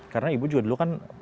karena ibu juga dulu kan